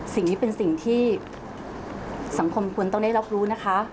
สิ่งนี้เป็นสิ่งที่สังคมควรต้องได้รับรู้นะคะ